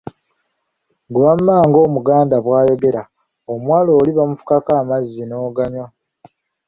Ggwe wamma ng’omuganda bw’ayogera, omuwala oli bamufukako amazzi n’oganywa!